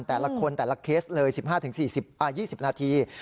แต่ละคนแต่ละเคสเลย๑๕๒๐นาที